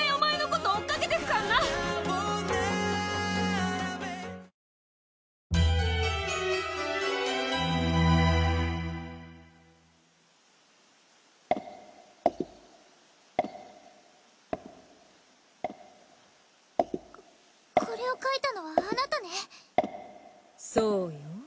ここれを書いたのはあなたねそうよ